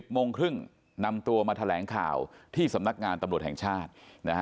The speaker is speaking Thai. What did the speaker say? โมงครึ่งนำตัวมาแถลงข่าวที่สำนักงานตำรวจแห่งชาติ